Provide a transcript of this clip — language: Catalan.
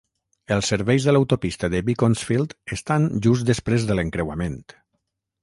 Els serveis de l'autopista de Beaconsfield estan just després de l'encreuament.